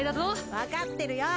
わかってるよ。